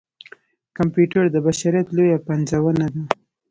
کمپیوټر د بشريت لويه پنځونه ده.